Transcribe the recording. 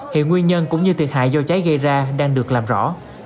hiện nguyên nhân cũng như thiệt hại do cháy gây ra đang được làm rõ